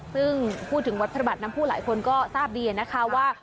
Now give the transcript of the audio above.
ซึ่งพูดถึงวัดพระบาทน้ำผู้หลายคนก็ทราบดีนะคะว่า